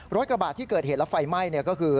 ร้อยกว่าบาทที่เกิดเหตุแล้วไฟไหม้ก็คือ